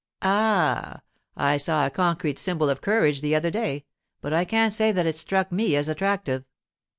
'Ah—I saw a concrete symbol of courage the other day, but I can't say that it struck me as attractive.